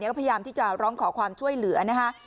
ก็พยายามที่จะร้องขอความช่วยเหลือนะคะ